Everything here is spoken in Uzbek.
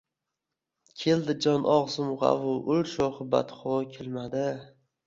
Keldi jon ogʼzimgʼavu ul shoʼxi badxoʼ kelmadi…